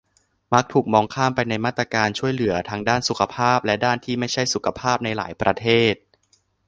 มักถูกมองข้ามไปในมาตรการช่วยเหลือ ทั้งด้านสุขภาพ และด้านที่ไม่ใช่สุขภาพ ในหลายประเทศ